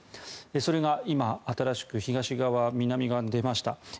それが今、新しく東側、南側に出ました。